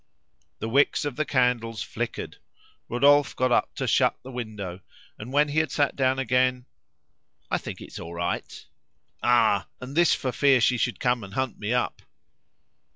The wicks of the candles flickered. Rodolphe got up to, shut the window, and when he had sat down again "I think it's all right. Ah! and this for fear she should come and hunt me up."